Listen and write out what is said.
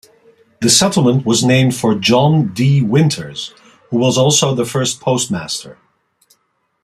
The settlement was named for John D. Winters, who was also the first postmaster.